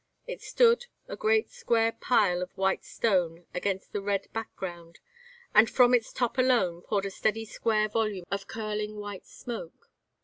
It stood, a great square pile of white stone against the red background, and from its top alone poured a steady square volume of curling white smoke.